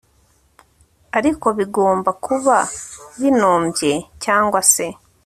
ariko bigomba kuba binombye cyangwa se